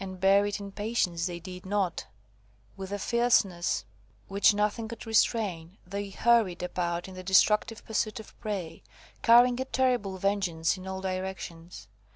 And bear it in patience they did not. With a fierceness which nothing could restrain, they hurried about in the destructive pursuit of prey, carrying a terrible vengeance in all directions.